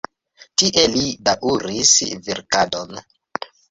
Tie li daŭris verkadon.